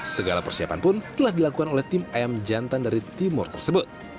segala persiapan pun telah dilakukan oleh tim ayam jantan dari timur tersebut